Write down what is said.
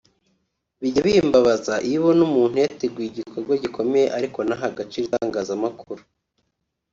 Bijya bimbabaza iyo ubona umuntu yateguye igikorwa gikomeye ariko ntahe agaciro itangazamakuru